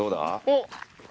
おっ！